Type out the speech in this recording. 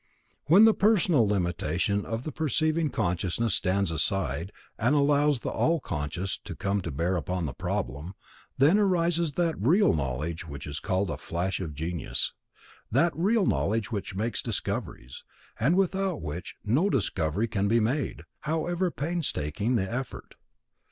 When the personal limitation of the perceiving consciousness stands aside, and allows the All conscious to come to bear upon the problem, then arises that real knowledge which is called a flash of genius; that real knowledge which makes discoveries, and without which no discovery can be made, however painstaking the effort.